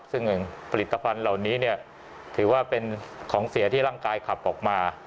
ซึ่งผลิตภัณฑ์เหล่านี้ถือว่าเป็นของเสียที่ร่างกายขับออกมา